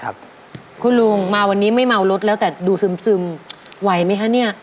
คุณลุงมาวันนี้ไม่เมารถแล้วแต่ดูซึมไหวไหมคะเนี่ย